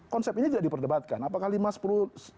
konsep ini tidak diperdebatkan apakah lima sepuluh